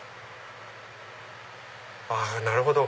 あなるほど！